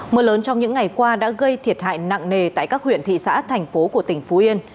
mưa lớn trong những ngày qua đã gây thiệt hại nặng nề tại các huyện thị xã thành phố của tỉnh phú yên